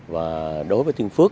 và đối với tiên phước